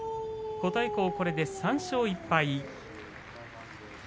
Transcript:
琴恵光、これで３勝１敗。